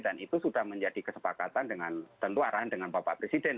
itu sudah menjadi kesepakatan dengan tentu arahan dengan bapak presiden